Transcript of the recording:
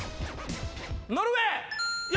ノルウェー！